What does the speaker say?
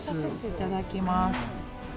いただきます。